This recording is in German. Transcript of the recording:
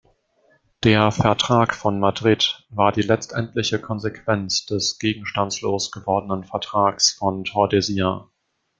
Der Vertrag von Madrid war die letztendliche Konsequenz des gegenstandslos gewordenen Vertrags von Tordesillas.